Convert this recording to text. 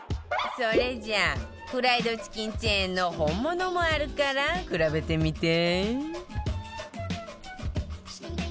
それじゃあフライドチキンチェーンの本物もあるから比べてみて